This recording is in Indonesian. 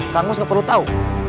kamus gak perlu tau